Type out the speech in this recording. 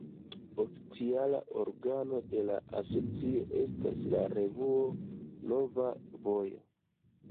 Oficiala organo de la asocio estas la revuo "Nova Vojo".